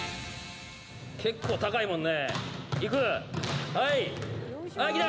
結構高いもんね。